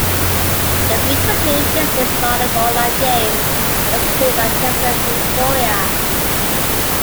The free-to-play business model in online games was created by Nexon in Korea.